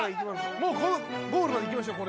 もうこのゴールはいきましょう